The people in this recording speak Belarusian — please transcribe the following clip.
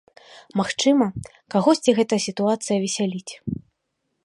Магчыма, кагосьці гэта сітуацыя весяліць.